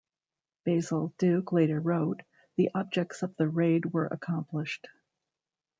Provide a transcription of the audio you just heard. Basil Duke later wrote, The objects of the raid were accomplished.